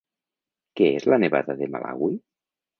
Què és la nevada de Malawi?